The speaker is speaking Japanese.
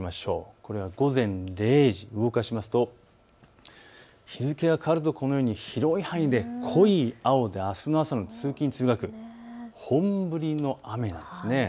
これは午前０時、動かしますと日付が変わるとこのように広い範囲で濃い青であす朝の通勤、通学、本降りの雨なんです。